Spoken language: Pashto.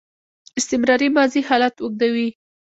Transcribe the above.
استمراري ماضي حالت اوږدوي.